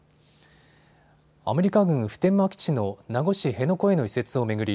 アメリカ軍普天間基地の名護市辺野古への移設を巡り